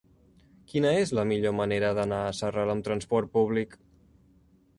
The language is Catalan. Quina és la millor manera d'anar a Sarral amb trasport públic?